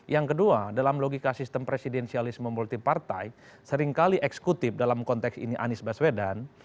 yang kedua dalam logika sistem presidensialisme multi partai seringkali eksekutif dalam konteks ini anies baswedan